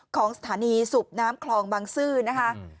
ของสถานีสูบน้ำคลองบางซื่อนะคะ